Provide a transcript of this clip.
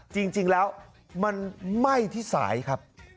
จริงแล้วมันไหม้ที่สายครับ